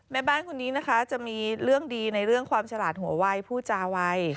แม่บ้านคนนี้นะคะจะมีเรื่องดีในเรื่องความฉลาดหัววัยผู้จาวัย